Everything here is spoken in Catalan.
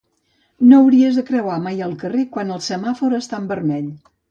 No hauries de creuar mai el carrer quan el semàfor està en vermell.